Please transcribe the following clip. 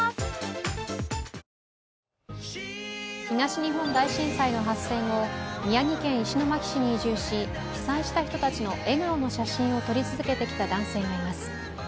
東日本大震災の発生後宮城県石巻市に移住し被災した人たちの笑顔の写真を撮り続けてきた男性がいます。